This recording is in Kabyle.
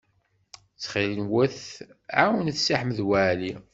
Ttxil-wen, ɛawnet Si Ḥmed Waɛli.